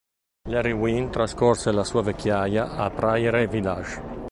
Larry Winn trascorre la sua vecchiaia a Prairie Village.